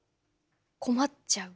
困っちゃう！